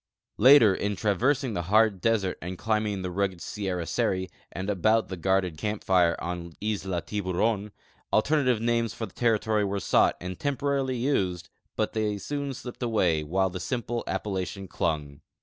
Later, in traversing the hard desert and climb ing the rugged Sierra Seri, and about the guarded camj) lire on Isla Tihuron, alternative names for the territory were sought and temporarily used, hut they soon slijiped away, while the simple appellation clung.